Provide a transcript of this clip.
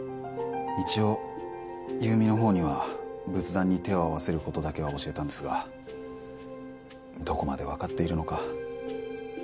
一応優実のほうには仏壇に手を合わせる事だけは教えたんですがどこまでわかっているのか。